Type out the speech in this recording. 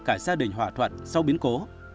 cả gia đình hòa thuận sau biến cố